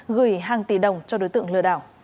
gửi hàng tỷ đồng cho đối tượng lừa đảo